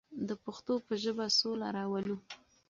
د پښتو په ژبه سوله راولو.